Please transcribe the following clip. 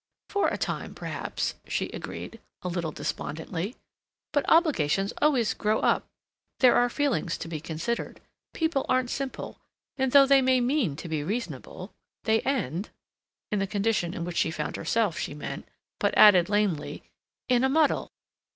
"For a time perhaps," she agreed, a little despondently. "But obligations always grow up. There are feelings to be considered. People aren't simple, and though they may mean to be reasonable, they end"—in the condition in which she found herself, she meant, but added lamely—"in a muddle."